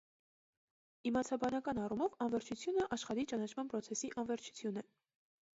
Իմացաբանական առումով անվերջությունը աշխարհի ճանաչման պրոցեսի անվերջություն է։